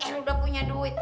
eh udah punya duit